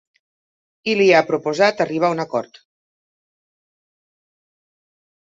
I li ha proposat d’arribar a un acord.